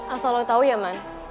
asal lo tau ya man